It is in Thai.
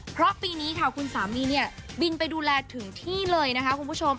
เพราะปีนี้ค่ะคุณสามีเนี่ยบินไปดูแลถึงที่เลยนะคะคุณผู้ชม